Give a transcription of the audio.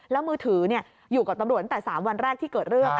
แล้วมือถืออยู่กับตำรวจตั้งแต่๓วันแรกที่เกิดเรื่อง